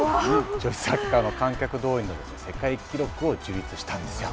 女子サッカーの観客動員の世界記録を樹立したんですよ。